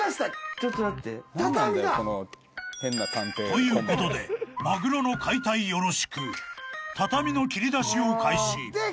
［ということでマグロの解体よろしく畳の切り出しを開始］